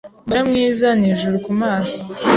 Umugore mwiza ni ijuru kumaso!